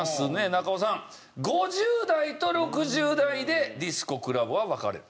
中尾さん５０代と６０代でディスコクラブは分かれる。